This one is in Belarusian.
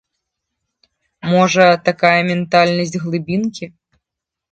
Можа, такая ментальнасць глыбінкі.